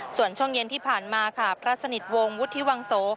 ส่วนช่วงเย็นที่ผ่านมาค่ะพระสนิทวงศ์วุฒิวังโส